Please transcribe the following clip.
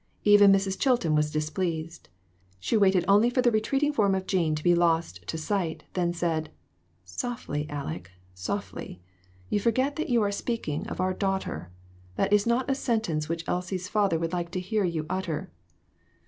Even Mrs. Chil ton was displeased. She waited only for the retreating form of Jean to be lost to sight, then said "Softly, Aleck, softly. You forget that you are speaking of our daughter. That is not a sentence which Elsie's father would like to hear you utter."